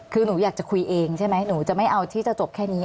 คือหนูอยากจะคุยเองใช่ไหมหนูจะไม่เอาที่จะจบแค่นี้